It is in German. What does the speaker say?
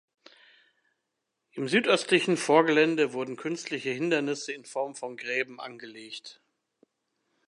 Im südöstlichen Vorgelände wurden künstliche Hindernisse in Form von Gräben angelegt.